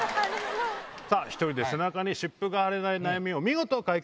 １人で背中に湿布が貼れない悩みを見事解決。